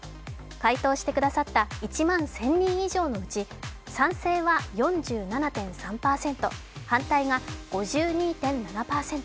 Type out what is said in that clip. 回答してくださった１万１０００人以上のうち、賛成は４７．３％、反対が５２．７％。